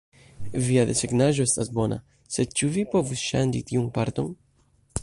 "Via desegnaĵo estas bona, sed ĉu vi povus ŝanĝi tiun parton?"